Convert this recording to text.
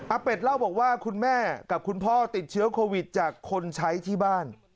เป็ดเล่าบอกว่าคุณแม่กับคุณพ่อติดเชื้อโควิดจากคนใช้ที่บ้าน